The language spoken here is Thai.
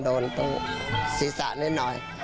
ตรงศีรษะนิดหน่อย